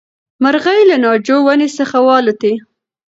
مرغۍ له ناجو ونې څخه والوتې.